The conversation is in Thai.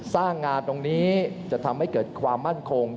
สร้างงานตรงนี้จะทำให้เกิดความมั่นคง